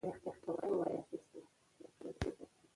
د ریګ دښتې د افغانستان د جغرافیایي موقیعت پایله ده.